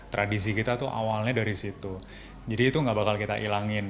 tradisi kita itu awalnya dari situ jadi itu nggak bakal kita ilangin